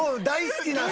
大好き。